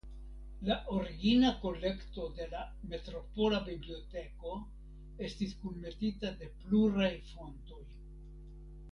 La origina kolekto de la "metropola biblioteko" estis kunmetita de pluraj fontoj.